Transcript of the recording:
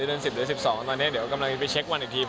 เดือน๑๐หรือ๑๒ตอนนี้เดี๋ยวกำลังไปเช็ควันอีกที